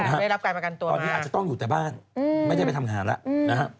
อาจจะต้องอยู่ในบ้านไม่ได้ไปทำงานแล้ว